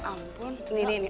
hai funny dimana lagi bunyi